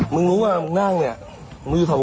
มึงระวังมือนไหม